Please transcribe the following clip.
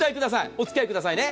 お付き合いくださいね。